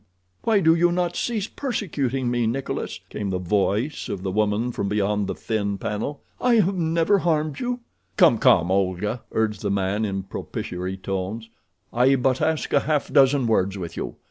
"Why do you not cease persecuting me, Nikolas?" came the voice of the woman from beyond the thin panel. "I have never harmed you." "Come, come, Olga," urged the man, in propitiary tones; "I but ask a half dozen words with you.